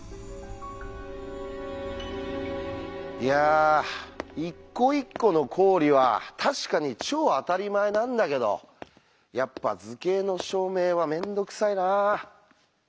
いや一個一個の公理は確かに超あたりまえなんだけどやっぱ図形の証明はめんどくさいなあ。